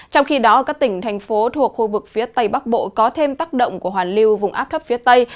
trong khi đó các tỉnh thành phố thuộc khu vực phía tây bắc bộ có thêm tác động của hoàn lưu vùng áp thấp phía tây